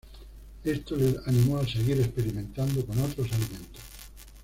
Esto le animó a seguir experimentando con otros alimentos.